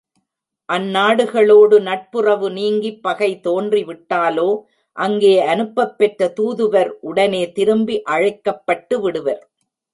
அந் நாடுகளோடு நட்புறவு நீங்கிப் பகைதோன்றி விட்டாலோ அங்கே அனுப்பப்பெற்ற தூதுவர் உடனே திருப்பி அழைக்கப்பட்டுவிடுவர்.